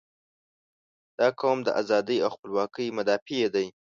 • دا قوم د ازادۍ او خپلواکۍ مدافع دی.